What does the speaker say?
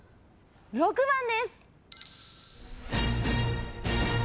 ６番です。